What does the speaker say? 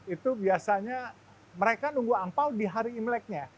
itu biasanya mereka nunggu angpao di hari imleknya